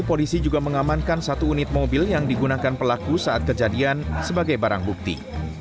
polisi juga mengamankan satu unit mobil yang digunakan pelaku saat kejadian sebagai barang bukti